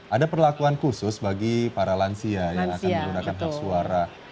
ada perlakuan khusus bagi para lansia yang akan menggunakan hak suara